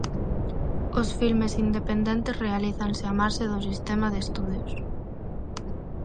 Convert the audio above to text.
Os filmes independentes realízanse á marxe do sistema de estudios.